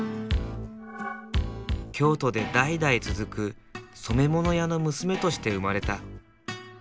京都で代々続く染め物屋の娘として生まれた。